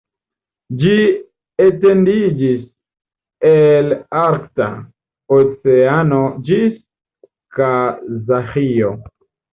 Ĝi etendiĝas el Arkta Oceano ĝis Kazaĥio.